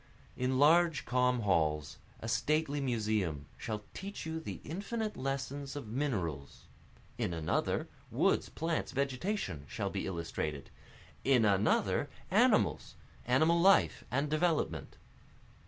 In large calm halls, a stately museum shall teach you the infinite lessons of minerals, In another, woods, plants, vegetation shall be illustrated in another animals, animal life and development.